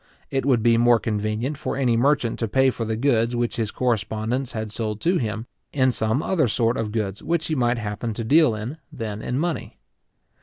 It would be more convenient for any merchant to pay for the goods which his correspondents had sold to him, in some other sort of goods which he might happen to deal in, than in money.